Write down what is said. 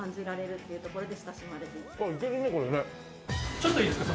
ちょっといいですか？